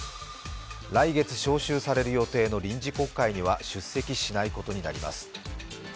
来月、召集される予定の臨時国会には出席しないことになります。